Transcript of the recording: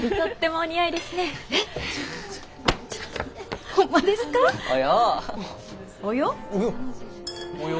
およ。